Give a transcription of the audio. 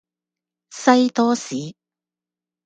西多士